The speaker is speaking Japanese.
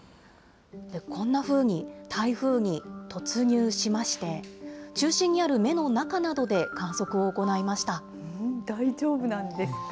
こんなふうに台風に突入しまして、中心にある目の中などで観大丈夫なんですか？